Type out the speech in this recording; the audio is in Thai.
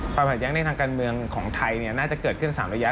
ขัดแย้งในทางการเมืองของไทยน่าจะเกิดขึ้น๓ระยะ